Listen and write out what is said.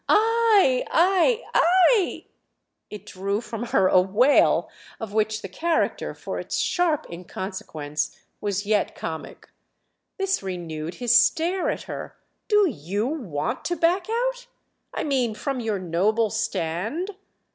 "Ay, ay, ay!"—it drew from her a wail of which the character, for its sharp inconsequence, was yet comic. This renewed his stare at her. "Do you want to back out? I mean from your noble stand."